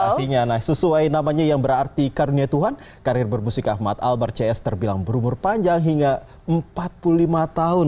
pastinya nah sesuai namanya yang berarti karunia tuhan karir bermusik ahmad albar cs terbilang berumur panjang hingga empat puluh lima tahun